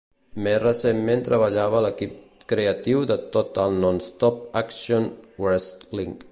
Més recentment treballava a l'equip creatiu de Total Nonstop Action Wrestling.